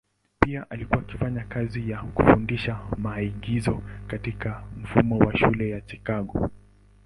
Pia alikuwa akifanya kazi ya kufundisha maigizo katika mfumo wa shule ya Chicago.